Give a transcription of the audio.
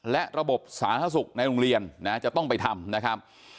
และระบบสาธารณสุขในโรงเรียนจะต้องไปทำนะครับ